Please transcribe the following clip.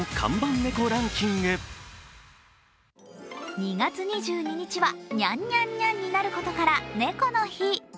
２月２２日はにゃんにゃんにゃんになることから猫の日。